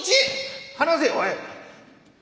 「離せおい！